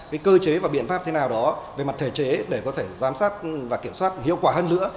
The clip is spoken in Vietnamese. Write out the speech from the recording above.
cái cơ chế và biện pháp thế nào đó về mặt thể chế để có thể giám sát và kiểm soát hiệu quả hơn nữa